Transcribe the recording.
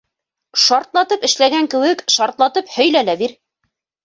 Шартлатып эшләгән кеүек, шартлатып һөйлә лә бир!